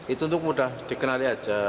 itu untuk mudah dikenali aja